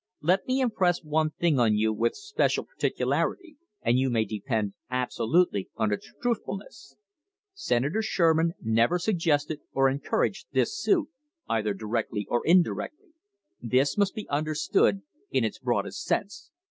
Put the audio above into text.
Let me impress one thing on you with special particularity, and you may depend absolutely on its truthfulness. Senator Sherman never suggested or encouraged this suit, either directly or indirectly. This must be understood in its broadest sense.